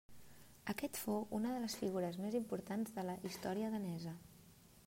Aquest fou una de les figures més importants de la història danesa.